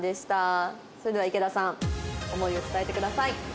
それでは池田さん思いを伝えてください。